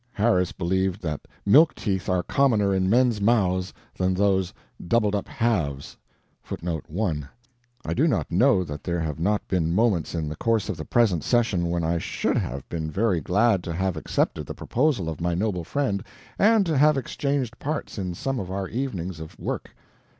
Harris believed that milk teeth are commoner in men's mouths than those "doubled up haves." I do not know that there have not been moments in the course of the present session when I should have been very glad to have accepted the proposal of my noble friend, and to have exchanged parts in some of our evenings of work.